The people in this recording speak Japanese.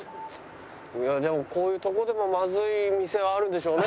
でもこういうとこでもまずい店はあるでしょうね。